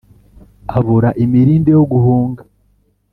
Abura imirindi yo guhunga,